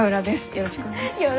よろしくお願いします。